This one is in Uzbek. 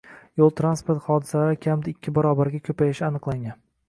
yo‘l-transport hodisalari kamida ikki barobarga ko‘payishi aniqlangan.